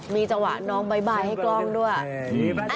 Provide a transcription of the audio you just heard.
มีจังหวะน้องบ๊ายให้กล้องด้วย